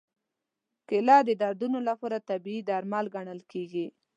کېله د دردونو لپاره طبیعي درمل ګڼل کېږي.